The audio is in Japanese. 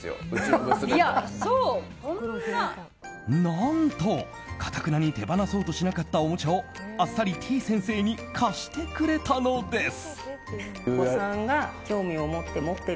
何と、かたくなに手放そうとしなかったおもちゃをあっさりてぃ先生に貸してくれたのです。